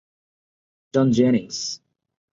John Jennings.